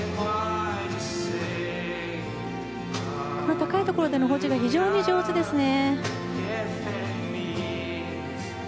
高いところでの保持が非常に上手ですね。